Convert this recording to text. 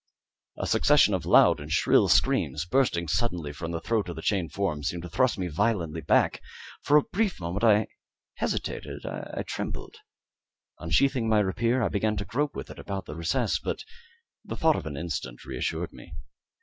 A succession of loud and shrill screams, bursting suddenly from the throat of the chained form, seemed to thrust me violently back. For a brief moment I hesitated I trembled. Unsheathing my rapier, I began to grope with it about the recess; but the thought of an instant reassured me.